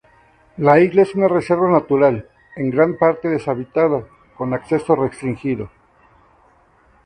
La isla es una reserva natural, en gran parte deshabitada, con acceso restringido.